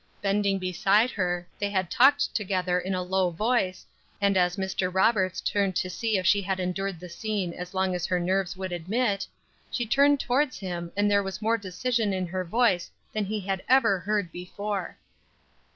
Bending beside her they had talked together in a low voice, and as Mr. Roberts turned to see if she had endured the scene as long as her nerves would admit, she turned towards him and there was more decision in her voice than he had ever heard before.